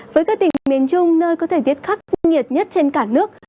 với các tỉnh miền trung nơi có thể tiết khắc nhiệt nhất trên cả nước